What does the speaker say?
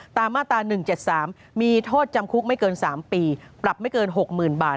ตามมาตรา๑๗๓มีโทษจำคุกไม่เกิน๓ปีปรับไม่เกิน๖๐๐๐บาท